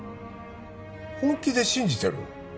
本気で信じてるの？